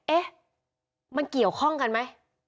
เอ๊ะมันเกี่ยวข้องกันไหม